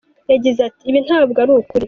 Yagize ati “Ibi ntabwo ari ukuri.